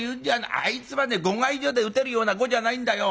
あいつはね碁会所で打てるような碁じゃないんだよ。